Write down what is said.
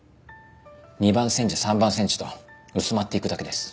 二番煎じ三番煎じと薄まっていくだけです。